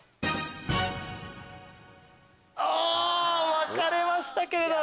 分かれましたけれども。